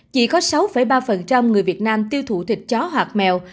chỉ có sáu ba người việt nam tiêu thụ thịt chó hạt mèo